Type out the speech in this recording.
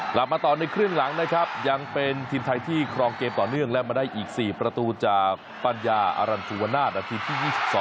กลับมาต่อในครึ่งหลังนะครับยังเป็นทีมไทยที่ครองเกมต่อเนื่องและมาได้อีก๔ประตูจากปัญญาอรันสุวนาศนาทีที่๒๒